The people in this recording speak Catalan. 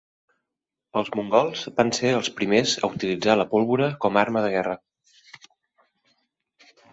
Els mongols van ser els primers a utilitzar la pólvora com a arma de guerra.